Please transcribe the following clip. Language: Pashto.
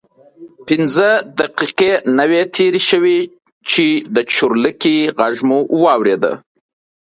پنځه دقیقې نه وې تېرې شوې چې د چورلکې غږ مو واورېد.